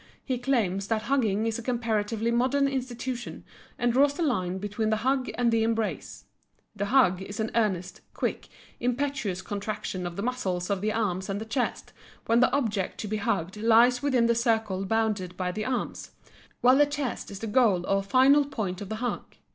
He claims that hugging is a comparatively modern institution and draws the line between the hug and the embrace. The hug is an earnest, quick, impetuous contraction of the muscles of the arms and the chest when the object to be hugged lies within the circle bounded by the arms, while the chest is the goal or final point of the hug.